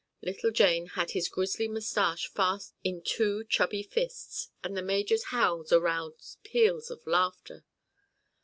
Little Jane had his grizzly moustache fast in two chubby fists and the major's howls aroused peals of laughter.